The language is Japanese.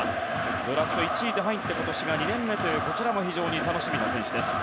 ドラフト１位で入って今年が２年目という非常に楽しみな選手です。